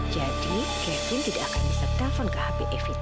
jadi kevin tidak akan bisa telfon ke hp evita